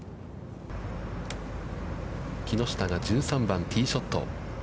木下が１３番、ティーショット。